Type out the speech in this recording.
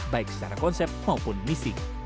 baik secara konsep maupun misi